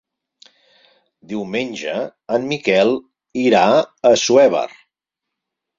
Diumenge en Miquel irà a Assuévar.